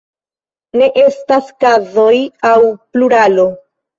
Ne estas kazoj aŭ pluralo.